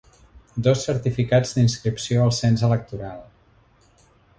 Dos certificats d’inscripció al cens electoral.